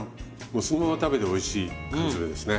もうそのまま食べておいしい缶詰ですね。